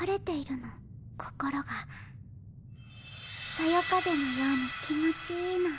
そよ風のように気持ちいいの。